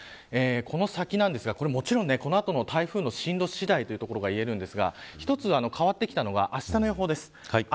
この先なんですがもちろん、この後の台風の進路次第ということが言えますが一つ変わってきたのがあしたの予報です。